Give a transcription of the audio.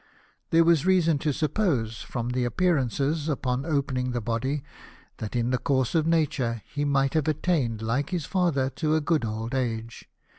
There was reason to suppose, from the appear ances upon opening the body, that in the course of nature he might have attained, like his father, to a good old age.